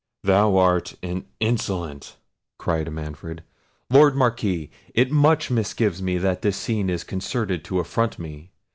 "Thou art an insolent!" cried Manfred. "Lord Marquis, it much misgives me that this scene is concerted to affront me.